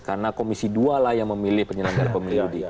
karena komisi dua lah yang memilih penyelenggara pemilu dia